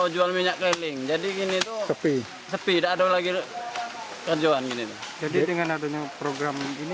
jual minyak keliling jadi gini tuh sepi sepi tak ada lagi kerjaan gini jadi dengan adanya program ini